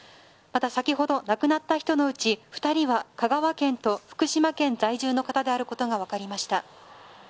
また、先ほど亡くなった人のうち２人は香川県と福島県在住の方であることが分かりました。